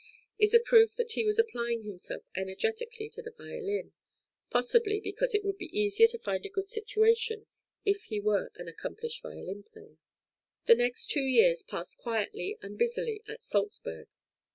is a proof that he was applying himself energetically to the violin; possibly because it would be easier to find a good situation if he were an accomplished violin player. The next two years passed quietly and busily at Salzburg.